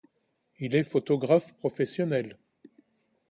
Il est photographe professionnel.